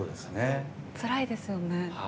つらいですよね。